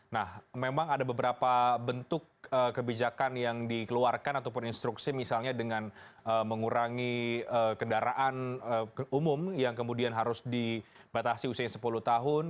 nah memang ada beberapa bentuk kebijakan yang dikeluarkan ataupun instruksi misalnya dengan mengurangi kendaraan umum yang kemudian harus dibatasi usia sepuluh tahun